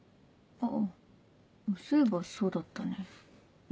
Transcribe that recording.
あそういえばそうだったね。え？